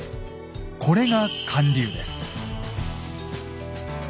これが還流です。